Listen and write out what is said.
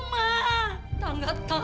mita nggak tahu